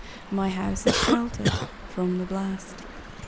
My house is sheltered from the blast.